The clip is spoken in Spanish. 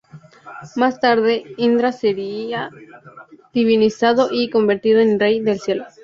Más tarde Indra sería divinizado y convertido en rey del cielo.